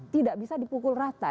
tidak bisa dipukul rata